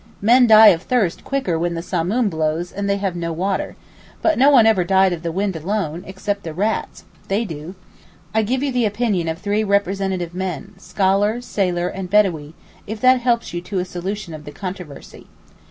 Men die of thirst quicker when the Samoom blows and they have no water. But no one ever died of the wind alone, except the rats—they do.' I give you the opinion of three 'representative men—' scholar, sailor, and bedawee; if that helps you to a solution of the controversy.